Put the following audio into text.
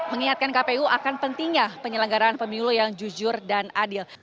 mengingatkan kpu akan pentingnya penyelenggaraan pemilu yang jujur dan adil